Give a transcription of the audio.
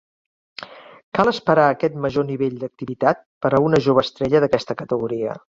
Cal esperar aquest major nivell d'activitat per a una jove estrella d'aquesta categoria.